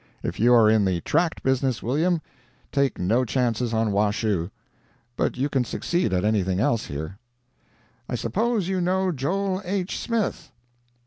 If you are in the tract business, William, take no chances on Washoe; but you can succeed at anything else here. "I suppose you know Joel H. Smith?"